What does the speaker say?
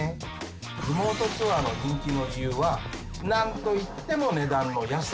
リモートツアーの人気の理由は何と言っても値段の安さ。